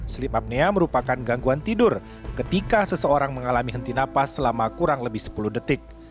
sleep apnea merupakan gangguan tidur ketika seseorang mengalami henti napas selama kurang lebih sepuluh detik